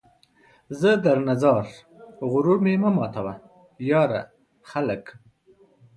زه درنه ځار ، غرور مې مه ماتوه ، یاره ! خلک